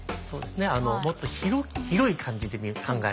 そうですねもっと広い感じで考えると。